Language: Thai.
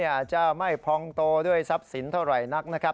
อาจจะไม่พองโตด้วยทรัพย์สินเท่าไหร่นักนะครับ